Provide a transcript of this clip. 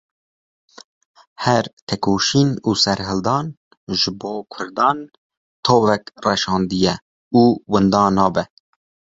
Her têkoşîn û serhildan ji bo kurdan tovek reşandiye û wenda nabe.